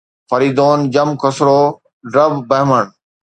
Faridoon, Jam, Khosrow, درب ، بهمن